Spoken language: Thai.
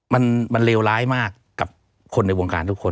มันเลวร้ายมากกับคนในวงการทุกคน